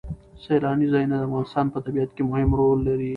سیلانی ځایونه د افغانستان په طبیعت کې مهم رول لري.